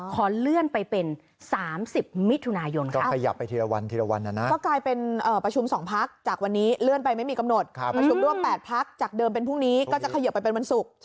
ขอเลื่อนไปเป็น๓๐มิตรทุนายนครับ